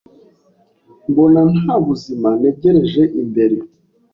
mbona nta buzima ntegereje imbere